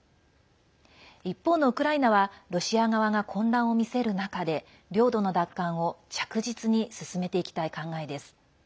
一方のウクライナはロシア側が混乱を見せる中で領土の奪還を着実に進めていきたい考えです。